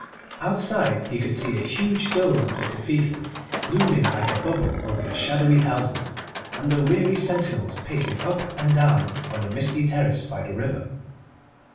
Outside he could see the huge dome of the cathedral, looming like a bubble over the shadowy houses, and the weary sentinels pacing up and down on the misty terrace by the river.